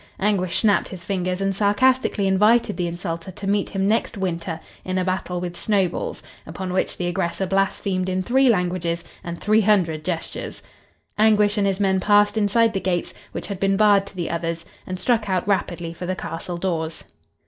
Anguish snapped his fingers and sarcastically invited the insulter to meet him next winter in a battle with snowballs, upon which the aggressor blasphemed in three languages and three hundred gestures. Anguish and his men passed inside the gates, which had been barred to the others, and struck out rapidly for the castle doors.